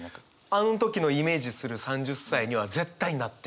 「あの時のイメージする３０歳には絶対なってない」とか。